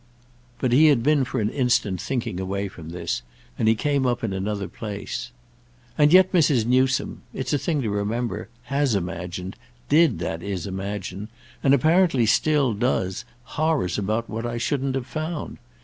But he had been for an instant thinking away from this, and he came up in another place. "And yet Mrs. Newsome—it's a thing to remember—has imagined, did, that is, imagine, and apparently still does, horrors about what I should have found.